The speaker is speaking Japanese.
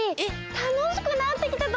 たのしくなってきたとこじゃん！